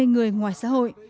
hai người ngoài xã hội